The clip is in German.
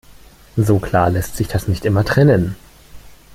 So klar lässt sich das nicht immer trennen.